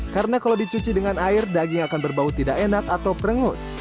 karena kalau dicuci dengan air daging akan berbau tidak enak atau krengus